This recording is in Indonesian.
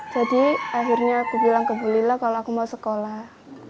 jadi akhirnya aku bilang ke bu lila kalau aku mau sekolah